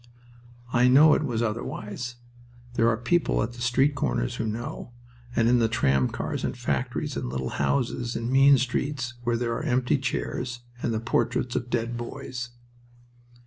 I know it was otherwise. There are people at the street corners who know; and in the tram cars and factories and little houses in mean streets where there are empty chairs and the portraits of dead boys.